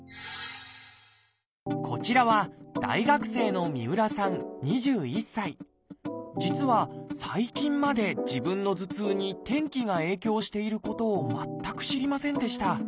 こちらは大学生の実は最近まで自分の頭痛に天気が影響していることを全く知りませんでした。